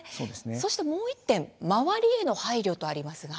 そして、もう１点周りへの配慮とありますが。